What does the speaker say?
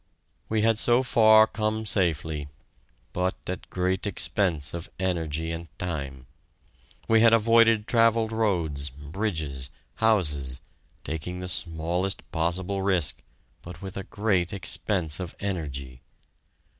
We had so far come safely, but at great expense of energy and time. We had avoided travelled roads, bridges, houses, taking the smallest possible risk, but with a great expense of energy.